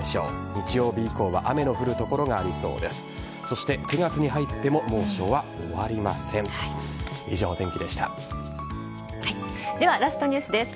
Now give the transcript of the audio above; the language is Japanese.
日曜日以降は雨の降る所がありそうです。